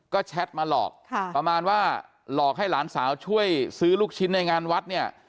ก็แชทมาหลอกประมาณว่าหลอกให้หลานสาวช่วยซื้อลูกชิ้นในงานวัดเนี่ย